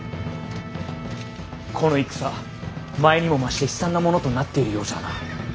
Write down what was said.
この戦前にも増して悲惨なものとなっているようじゃな。